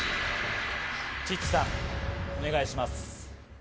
チッチさん、お願いします。